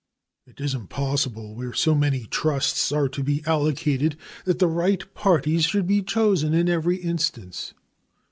It is impossible, where so many trusts are to be allotted, that the right parties should be chosen in every instance.